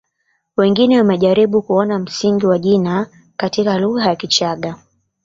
Wengine wamejaribu kuona msingi wa jina katika lugha ya Kichaga